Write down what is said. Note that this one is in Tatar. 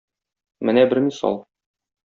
Менә бер мисал.